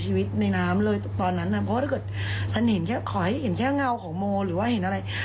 ฉันมั่นใจว่าฉันกระโดด